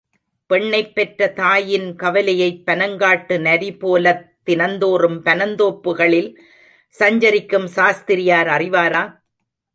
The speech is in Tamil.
பெண்ணைப் பெற்ற தாயின் கவலையைப் பனங்காட்டு நரி போலத் தினந்தோறும் பனந்தோப்புகளில் சஞ்சரிக்கும் சாஸ்திரியார் அறிவாரா?